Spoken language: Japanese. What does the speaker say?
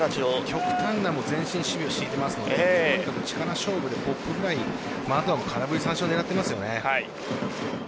極端な前進守備を敷いていますのでとにかく力勝負で空振り三振を狙っていますよね。